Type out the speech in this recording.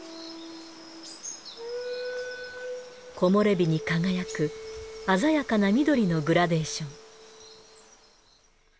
木漏れ日に輝く鮮やかな緑のグラデーション。